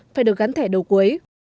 phải được gắn thẻ đầu cuối